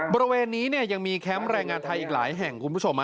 บริเวณนี้ยังมีแคมป์แรงงานไทยอีกหลายแห่งคุณผู้ชม